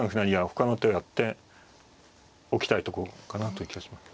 ほかの手をやっておきたいとこかなという気がします。